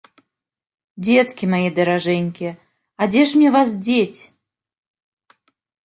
Дзеткі мае даражэнькія, а дзе ж мне вас дзець?